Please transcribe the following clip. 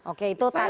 oke itu targetnya ya